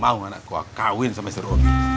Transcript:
mau gak nak kua kawin sama si robi